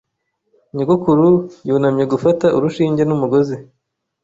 Nyogokuru yunamye gufata urushinge n'umugozi.